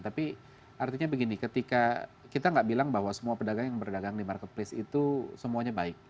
tapi artinya begini ketika kita nggak bilang bahwa semua pedagang yang berdagang di marketplace itu semuanya baik